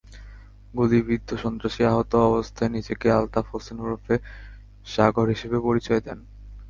গুলিবিদ্ধ সন্ত্রাসী আহত অবস্থায় নিজেকে আলতাফ হোসেন ওরফে সাগর হিসেবে পরিচয় দেন।